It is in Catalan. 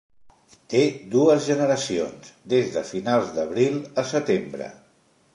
Té dues generacions des de finals d'abril a setembre.